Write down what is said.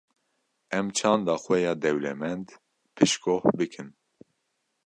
em çanda xwe ya dewlemed piştgoh bikin.